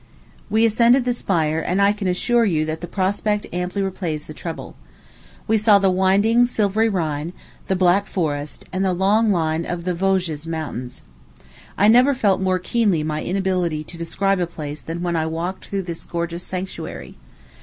We ascended the spire, and I can assure you that the prospect amply repays the trouble. We saw the winding, silvery Rhine, the Black Forest, and the long line of the Vosges Mountains. I never felt more keenly my inability to describe a place than when I walked through this gorgeous sanctuary.